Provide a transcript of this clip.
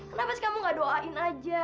kenapa sih kamu gak doain aja